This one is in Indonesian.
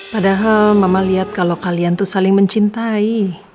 padahal mama liat kalo kalian tuh saling mencintai